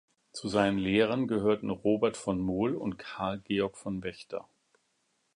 Zu seinen Lehrern gehörten Robert von Mohl und Karl Georg von Wächter.